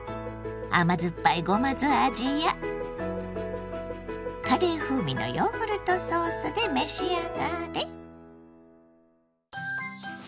甘酸っぱいごま酢味やカレー風味のヨーグルトソースで召し上がれ。